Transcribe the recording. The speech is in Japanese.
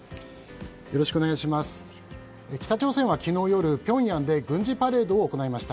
北朝鮮は昨日夜ピョンヤンで軍事パレードを行いました。